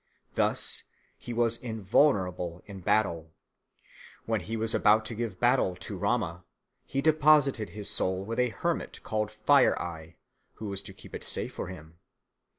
Thus he was invulnerable in battle. When he was about to give battle to Rama, he deposited his soul with a hermit called Fire eye, who was to keep it safe for him.